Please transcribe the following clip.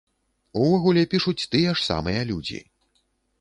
Увогуле, пішуць тыя ж самыя людзі.